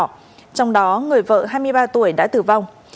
trong đó người vợ hai mươi ba tuổi đã tử vong